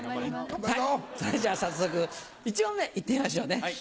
それじゃ早速１問目行ってみましょうね。